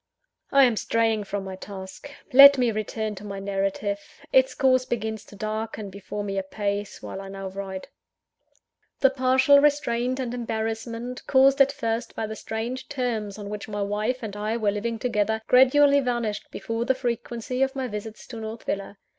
I am straying from my task. Let me return to my narrative: its course begins to darken before me apace, while I now write. The partial restraint and embarrassment, caused at first by the strange terms on which my wife and I were living together, gradually vanished before the frequency of my visits to North Villa.